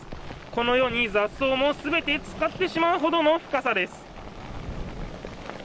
このように雑草も全て浸かってしまうほどの深さです。